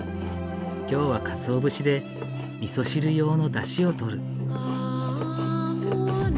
今日は鰹節でみそ汁用のだしをとる。